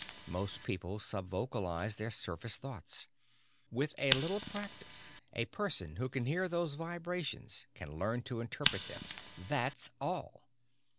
Most people sub vocalize their surface thoughts. With a little practice a person who can hear those vibrations can learn to interpret them. That's all."